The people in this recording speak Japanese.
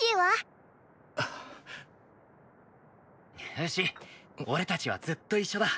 フシ俺たちはずっと一緒だ。